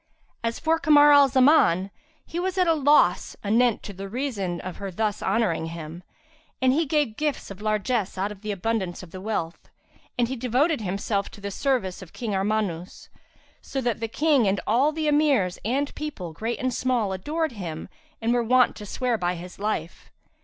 As for Kamar al Zaman, he was at a loss anent the reason of her thus honouring him; and he gave gifts and largesse out of the abundance of the wealth; and he devoted himself to the service of King Armanus; so that the King and all the Emirs and people, great and small, adored him and were wont to swear by his life.